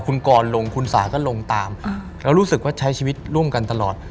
คุณกรลงคุณสาก็ลงตามแล้วรู้สึกว่าใช้ชีวิตร่วมกันตลอด